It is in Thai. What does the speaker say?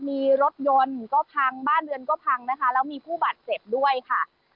มีรถยนต์ก็พังบ้านเรือนก็พังนะคะแล้วมีผู้บาดเจ็บด้วยค่ะ